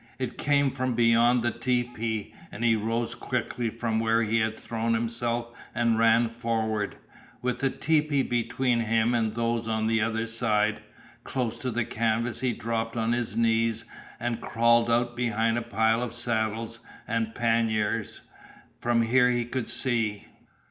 It came from beyond the tepee, and he rose quickly from where he had thrown himself and ran forward, with the tepee between him and those on the other side. Close to the canvas he dropped on his knees and crawled out behind a pile of saddles and panniers. From here he could see.